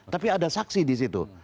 tapi ada saksi disitu